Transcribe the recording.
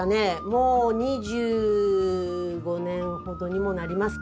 もう２５年ほどにもなります。